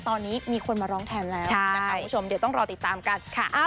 ตอนนี้มีคนมาร้องแทนแล้วนะคะคุณผู้ชมเดี๋ยวต้องรอติดตามกันค่ะ